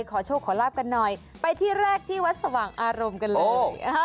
ขอโชคขอลาบกันหน่อยไปที่แรกที่วัดสว่างอารมณ์กันเลย